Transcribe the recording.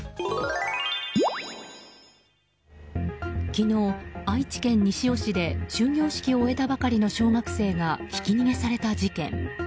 昨日、愛知県西尾市で終業式を終えたばかりの小学生がひき逃げされた事件。